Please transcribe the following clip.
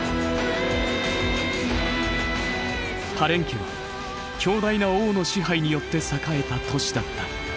パレンケは強大な王の支配によって栄えた都市だった。